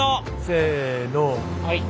せの。